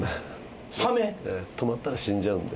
止まったら死んじゃうんで。